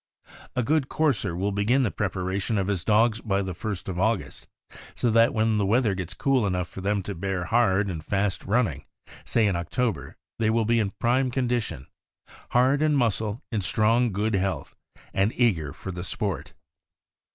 A good courser will begin the preparation of his dogs by the 1st of August, so that when the weather gets cool enough for them to bear hard and fast running, say in October, they will be in prime condition — hard in muscle, in strong good health, and eager for the sport.